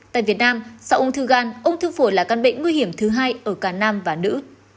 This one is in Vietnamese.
tại việt nam sau ung thư gan ung thư phổi là căn bệnh nguy hiểm thứ hai ở cả nam và nữ